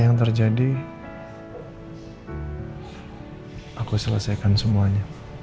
sampai jumpa di video selanjutnya